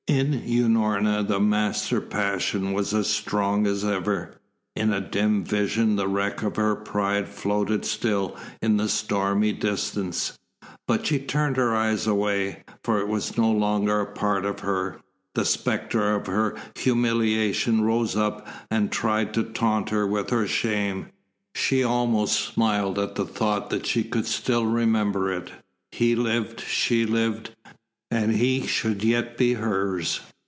In Unorna the master passion was as strong as ever. In a dim vision the wreck of her pride floated still in the stormy distance, but she turned her eyes away, for it was no longer a part of her. The spectre of her humiliation rose up and tried to taunt her with her shame she almost smiled at the thought that she could still remember it. He lived, she lived, and he should yet be hers.